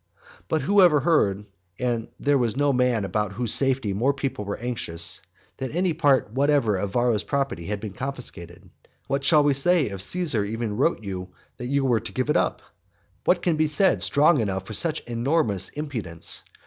But whoever heard (and there was no man about whose safety more people were anxious) that any part whatever of Varro's property had been confiscated? What? what shall we say if Caesar even wrote you that you were to give it up? What can be said strong enough for such enormous impudence?